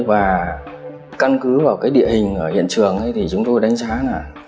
và căn cứ vào cái địa hình ở hiện trường thì chúng tôi đánh giá là